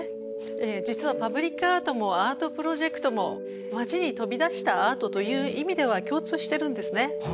実はパブリックアートもアートプロジェクトも街に飛び出したアートという意味では共通してるんですね。